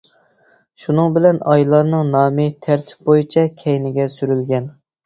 شۇنىڭ بىلەن ئايلارنىڭ نامى تەرتىپ بويىچە كەينىگە سۈرۈلگەن.